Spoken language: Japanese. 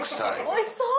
おいしそう！